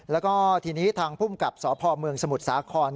แล้วก็ทีนี้ทางภูมิกับสพเมืองสมุทรสาคร